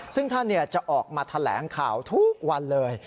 ซึ่งท่านจะออกมาแถลงข่าวทุกวันเลย